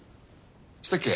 したっけ